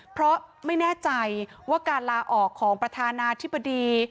เพราะไม่แน่ใจว่าการลาออกของประธานาธิบดี